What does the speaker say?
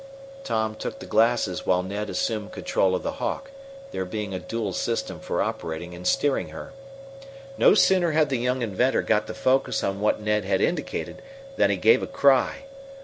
Tom took the glasses while Ned assumed control of the Hawk, there being a dual system for operating and steering her. No sooner had the young inventor got the focus on what Ned had indicated than he gave a cry.